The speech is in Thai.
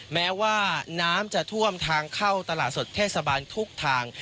แม้ว่าน้ำจะท่วมทางเข้าตลาดสดเทศบาลทุกทาง